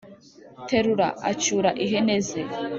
terura acyura ihene ze,